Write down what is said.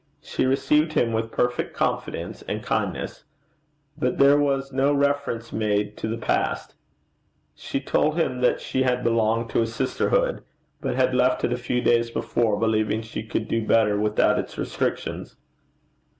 She received him with perfect confidence and kindness, but there was no reference made to the past. She told him that she had belonged to a sisterhood, but had left it a few days before, believing she could do better without its restrictions.